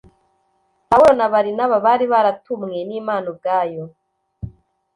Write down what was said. Pawulo na Barinaba bari baratumwe n’Imana ubwayo,